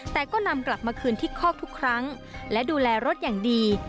แต่ก็นำกลับมาคืนที่คอกทุกครั้งและดูแลรถอย่างดี